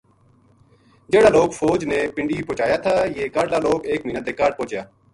جہیڑا لوک فوج نے پنڈی پوہچایا تھا یہ کاہڈلا لوک ایک مہینہ تے کاہڈ پوہچیا